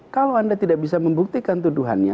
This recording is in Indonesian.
kalau anda tidak bisa membuktikan tuduhannya